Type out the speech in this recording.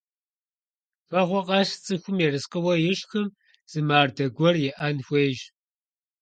Шхэгъуэ къэс цӀыхум ерыскъыуэ ишхым зы мардэ гуэр иӀэн хуейщ.